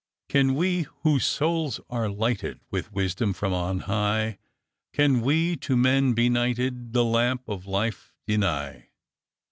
Can we, whose souls are lighted With wisdom from on high, Can we to men benighted The lamp of life deny